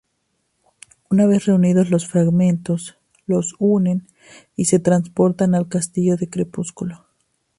Una vez reunidos los fragmentos, los unen y se transportan al Castillo del Crepúsculo.